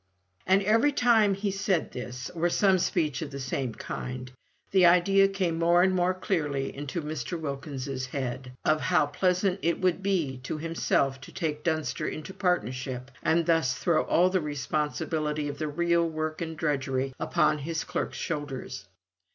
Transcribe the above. And every time he said this, or some speech of the same kind, the idea came more and more clearly into Mr. Wilkins's head, of how pleasant it would be to himself to take Dunster into partnership, and thus throw all the responsibility of the real work and drudgery upon his clerk's shoulders.